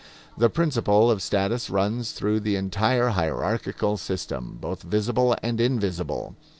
The principle of status runs through the entire hierarchical system, both visible and invisible.